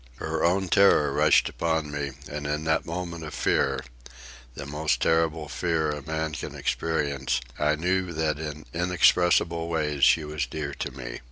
Her own terror rushed upon me, and in that moment of fear—the most terrible fear a man can experience—I knew that in inexpressible ways she was dear to me.